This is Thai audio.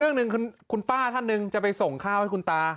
เรื่องหนึ่งคุณป้าท่านหนึ่งจะไปส่งข้าวให้คุณตา